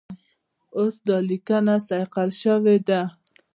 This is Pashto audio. اوس دا لیکنه صیقل شوې ده.